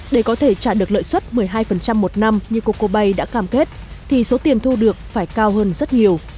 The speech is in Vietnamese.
để có thể trả được lợi suất một mươi hai một năm như coco bay đã cam kết thì số tiền thu được phải cao hơn rất nhiều